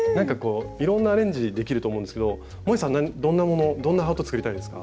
いろんなアレンジできると思うんですがもえさんどんなものどんなハートを作りたいですか？